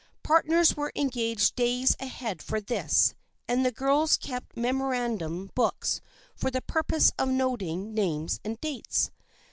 Partners were engaged days ahead for this, and the girls kept memorandum books for the purpose of noting names and dates.